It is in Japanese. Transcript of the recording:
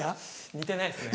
似てないですね。